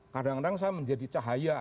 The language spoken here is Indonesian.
kadang kadang saya menjadi cahaya